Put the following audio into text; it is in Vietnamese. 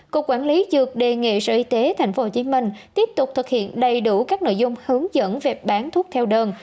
cục quản lý dược đề nghị sở y tế tp hcm tiếp tục thực hiện đầy đủ các nội dung hướng dẫn về bán thuốc theo đơn